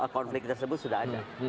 konflik tersebut sudah ada